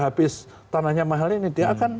habis tanahnya mahal ini dia akan